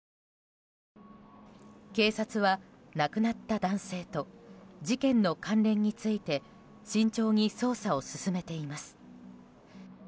警察は亡くなった男性と事件の関連について慎重に捜査を進めています。